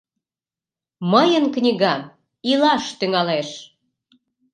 “Мыйын книгам илаш тӱҥалеш!..”